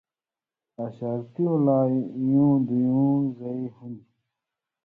اشارتیۡ لا یُوں دُوۡیں زئ ہون٘دیۡ؛